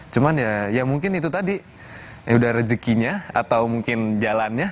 cuman ya ya mungkin itu tadi ya udah rezekinya atau mungkin jalannya